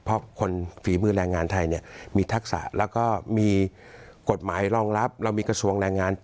เพราะคนฝีมือแรงงานไทยเนี่ยมีทักษะแล้วก็มีกฎหมายรองรับเรามีกระทรวงแรงงาน